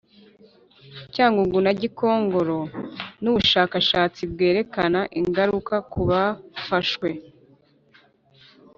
Cyangugu na Gikongoro n ubushakashatsi bwerekana ingaruka ku bafashwe